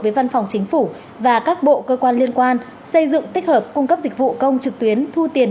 với văn phòng chính phủ và các bộ cơ quan liên quan xây dựng tích hợp cung cấp dịch vụ công trực tuyến thu tiền